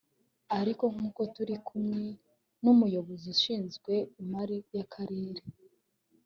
ariko nk’uko turi kumwe n’umuyobozi ushinzwe imari y’akarere